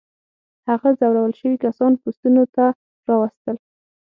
هغه ځورول شوي کسان پوستونو ته راوستل.